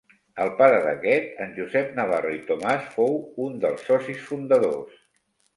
El pare d'aquest -en Josep Navarro i Tomàs- fou un dels socis fundadors.